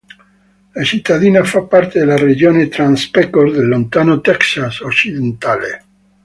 La cittadina fa parte della regione Trans-Pecos del lontano Texas occidentale.